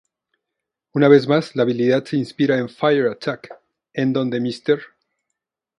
Una vez más la habilidad se inspira en "Fire Attack", en donde Mr.